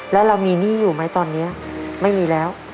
แล้วเรามีหนี้อยู่ไหมตอนนี้ไม่มีแล้ว